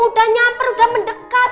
udah nyamper udah mendekat